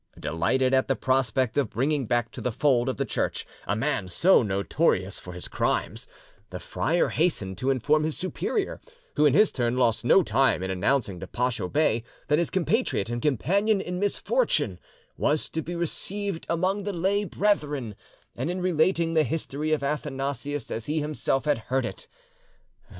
Delighted at the prospect of bringing back to the fold of the Church a man so notorious for his crimes, the friar hastened to inform his superior, who in his turn lost no time in announcing to Pacho Bey that his compatriot and companion in misfortune was to be received among the lay brethren, and in relating the history of Athanasius as he himself had heard it.